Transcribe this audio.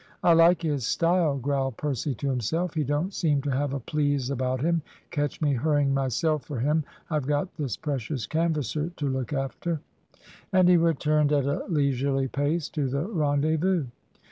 "I like his style," growled Percy to himself. "He don't seem to have a `please' about him. Catch me hurrying myself for him; I've got this precious canvasser to look after." And he returned at a leisurely pace to the rendezvous.